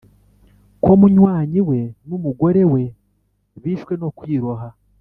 ko munywanyi we numugorewe bishwe no kwiroha"